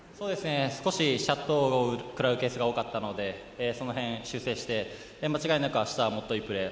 少しシャットを食らうケースが多かったのでその辺、修正して、間違いなく明日はもっといいプレー